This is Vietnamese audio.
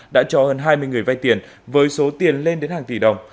đã cho hơn hai mươi người vay tiền với số tiền lên đến hàng tỷ đồng